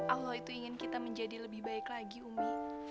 allah itu ingin kita menjadi lebih baik lagi umi